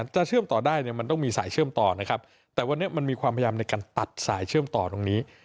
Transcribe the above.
เชื่อมต่อได้เนี่ยมันต้องมีสายเชื่อมต่อนะครับแต่วันนี้มันมีความพยายามในการตัดสายเชื่อมต่อตรงนี้